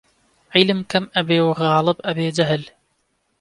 عیلم کەم ئەبێ و غاڵب ئەبێ جەهل